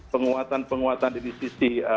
penguatan penguatan di sisi